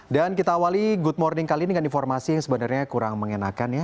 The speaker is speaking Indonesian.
dan kita awali good morning kali ini dengan informasi yang sebenarnya kurang mengenakan ya